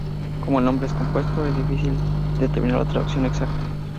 Como el nombre es compuesto, es difícil determinar la traducción exacta.